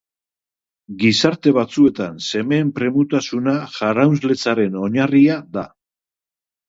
Gizarte batzuetan semeen premutasuna jaraunsletzaren oinarria da.